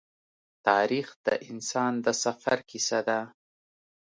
تاریخ د انسان د سفر کیسه ده.